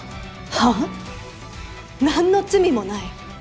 はっ！？何の罪もない？